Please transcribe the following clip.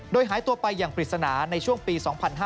โดยหายตัวไปอย่างปริศนาในช่วงปี๒๕๕๙